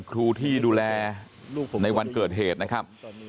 ครูที่ดูแลในวันเกิดเหตุนะครับ